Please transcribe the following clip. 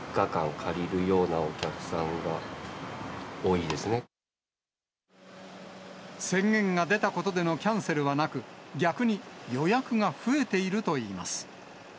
借り宣言が出たことでのキャンセルはなく、逆に予約が増えているといいます。